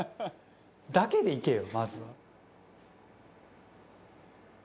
「“だけ”でいけよまずは」